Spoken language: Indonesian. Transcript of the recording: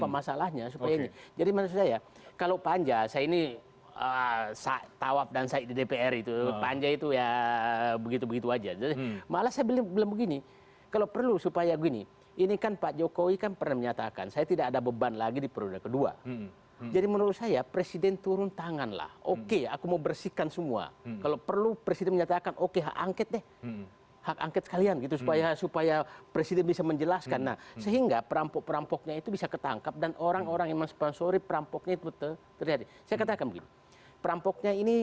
masalahnya dan membongkar untuk